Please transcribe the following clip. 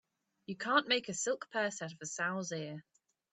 You can't make a silk purse out of a sow's ear.